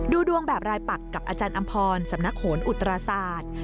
ดูดวงแบบรายปักกับอาจารย์อำพรสำนักโหนอุตราศาสตร์